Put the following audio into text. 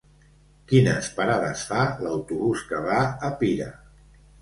Quines parades fa l'autobús que va a Pira?